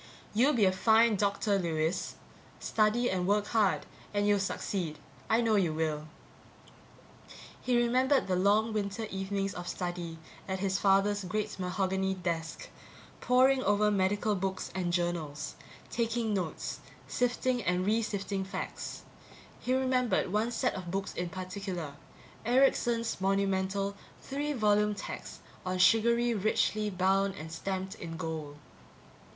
"You'll be a fine doctor, Lewis. Study and work hard and you'll succeed. I know you will." He remembered the long winter evenings of study at his father's great mahogany desk, pouring over medical books and journals, taking notes, sifting and re sifting facts. He remembered one set of books in particular Erickson's monumental three volume text on surgery, richly bound and stamped in gold.